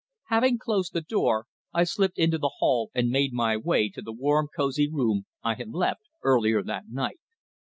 Having closed the door, I slipped into the hall and made my way to the warm, cosy room I had left earlier that night.